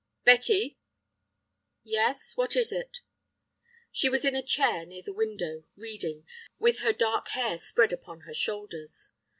"Betty." "Yes, what is it?" She was in a chair near the window, reading, with her dark hair spread upon her shoulders.